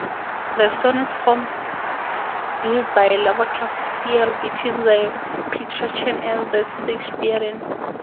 The sonnet forms used by Lovecraft veer between the Petrarchan and the Shakespearean.